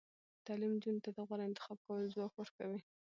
تعلیم نجونو ته د غوره انتخاب کولو ځواک ورکوي.